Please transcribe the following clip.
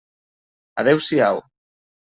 Adéu-siau.